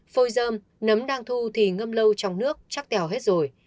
phôi dơm nấm đang thu thì ngâm lâu trong nước chắc kèo hết rồi